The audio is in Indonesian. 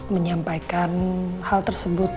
menyampaikan hal tersebut